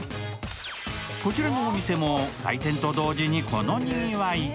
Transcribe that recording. こちらのお店も開店と同時にこのにぎわい。